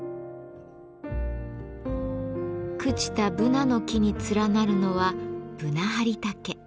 朽ちたブナの木に連なるのはブナハリタケ。